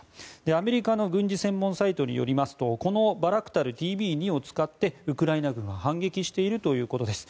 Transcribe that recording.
アメリカの軍事専門サイトによりますとバイラクタルＴＢ２を使ってウクライナ軍は反撃しているということです。